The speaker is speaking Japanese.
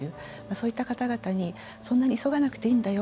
そういった方々にそんなに急がなくていいんだよ